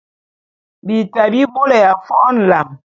Bita bi bôlé ya fo’o nlam.